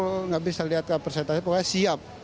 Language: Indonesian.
ternyata kita nggak bisa lihat persentase pokoknya siap